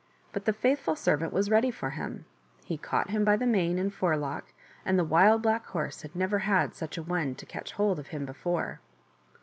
But the faithful servant was ready for him ; he caught him by the mane and forelock, and the Wild Black Horse had never had such a one to catch hold of him before.